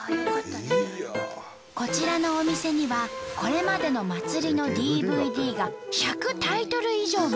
こちらのお店にはこれまでの祭りのＤＶＤが１００タイトル以上も。